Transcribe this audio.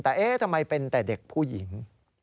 แต่เอ๊ะทำไมเป็นแต่เด็กผู้หญิง